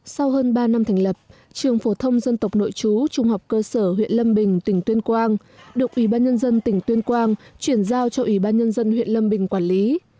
sau hơn ba năm thành lập trường phổ thông dân tộc nội chú trung học cơ sở huyện lâm bình tỉnh tuyên quang được ủy ban nhân dân tỉnh tuyên quang chuyển giao cho ủy ban nhân dân huyện lâm bình quản lý